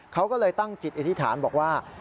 เขาก็เลยตั้งจิตอธิษฐานบอกว่า